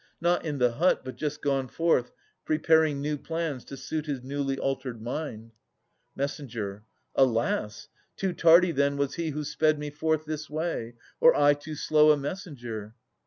Not in the hut, but just gone forth, preparing New plans to suit his newly altered mind. Mess. Alas! Too tardy then was he who sped me forth This way; or I too slow a messenger.